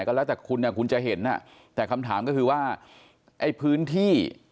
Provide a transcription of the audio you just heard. ก็แล้วแต่คุณคุณจะเห็นแต่คำถามก็คือว่าไอ้พื้นที่